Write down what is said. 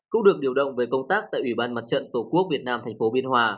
cũng được điều động về công tác tại ủy ban mặt trận tổ quốc việt nam tp hcm